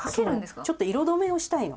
そうちょっと色止めをしたいの。